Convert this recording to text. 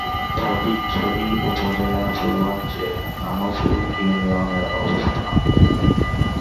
ফটিকছড়ি উপজেলার পূর্বাংশে নানুপুর ইউনিয়নের অবস্থান।